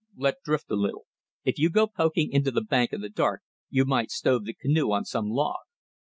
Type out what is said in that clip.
... Let drift a little. If you go poking into the bank in the dark you might stove the canoe on some log.